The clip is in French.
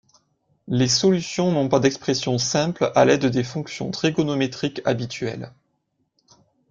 Les solutions n'ont pas d'expression simple à l'aide des fonctions trigonométriques habituelles.